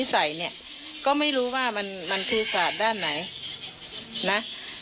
คนก็รู้จักเจ๊เยอะขึ้นมากนะ